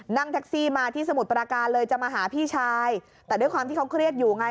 นั่งแท็กซี่มาที่สมุทรปราการเลยจะมาหาพี่ชายแต่ด้วยความที่เขาเครียดอยู่ไง